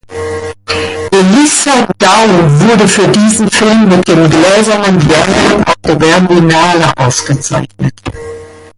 Elissa Down wurde für diesen Film mit dem Gläsernen Bären auf der Berlinale ausgezeichnet.